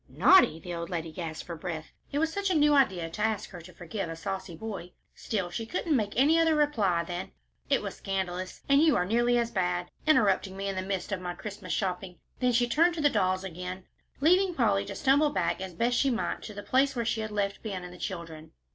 "Naughty?" The old lady gasped for breath; it was such a new idea to ask her to forgive a saucy boy; still, she couldn't make any other reply than "It was scandalous, and you are nearly as bad, interrupting me in the midst of my Christmas shopping." Then she turned to the dolls again, leaving Polly to stumble back as best she might to the place where she had left Ben and the children.